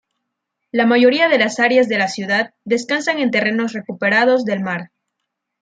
La mayoría de las áreas de la ciudad descansan en terrenos recuperados del mar.